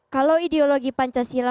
kalau ideologi pancasila